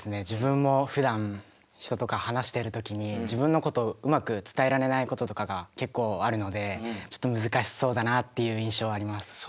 自分もふだん人とか話してる時に自分のことをうまく伝えられないこととかが結構あるのでちょっと難しそうだなっていう印象はあります。